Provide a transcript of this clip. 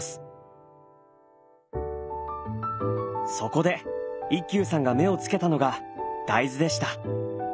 そこで一休さんが目をつけたのが大豆でした。